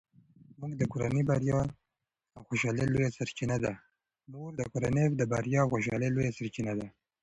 مور د کورنۍ د بریا او خوشحالۍ لویه سرچینه ده.